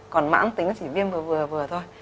còn mãn tính nó chỉ viêm vừa vừa vừa thôi